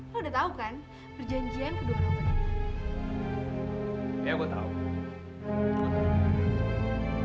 lo udah tahu kan perjanjian kedua orang tadi